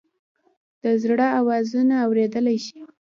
د زړه آوازونه اوریدلئ شې؟